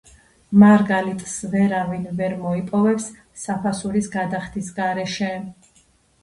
მარგალიტს ვერავინ ვერ მოიპოვებს საფასურის გადახდის გარეშე.